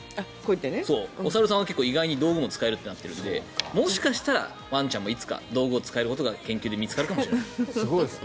お猿さんは結構意外と道具も使えるのでもしかしたらワンちゃんもいつか道具を使えることが研究で見つかるかもしれない。